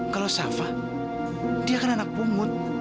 kalau safa dia kan anak pungut